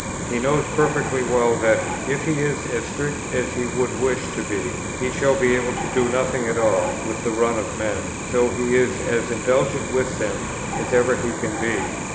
He knows perfectly well that, if he is as strict as he would wish to be, he shall be able to do nothing at all with the run of men; so he is as indulgent with them as ever he can be.